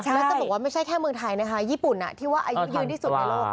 แล้วจะบอกว่าไม่ใช่แค่เมืองไทยนะคะญี่ปุ่นที่ว่าอายุยืนที่สุดในโลก